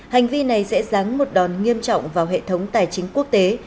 hành vi này sẽ ráng một đòn nghiêm trọng vào hệ thống tài chính quốc tế